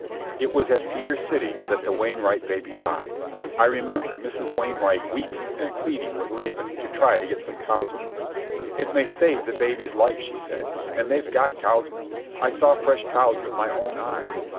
It was at Cedar City that the Wainwright baby died. I remember Mrs. Wainwright weeping and pleading with Laban to try to get some cow's milk. "It may save the baby's life," she said. "And they've got cow's milk. I saw fresh cows with my own eyes.